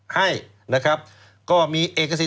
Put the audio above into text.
ให้นะครับก็มีเอกสิท